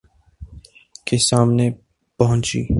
کے سامنے پہنچی